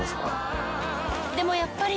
でもやっぱり。